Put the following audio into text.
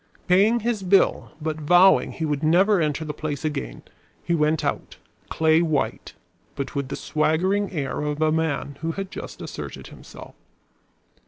Paying his bill, but vowing he would never enter the place again, he went out, clay white, but with the swaggering air of a man who had just asserted himself.